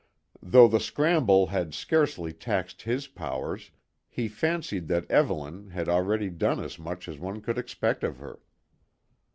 Though the scramble had scarcely taxed his powers, he fancied that Evelyn, had already done as much as one could expect of her.